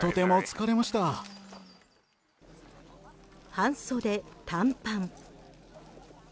半袖短パン。